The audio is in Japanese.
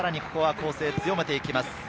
ここは攻勢、強めていきます。